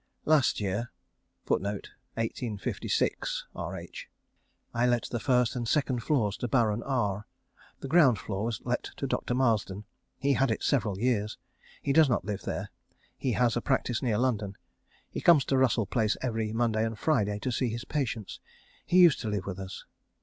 Last year I let the first and second floors to Baron R. The ground floor was let to Dr. Marsden. He has had it several years. He does not live there. He has a practice near London. He comes to Russell Place every Monday and Friday to see his patients. He used to live with us.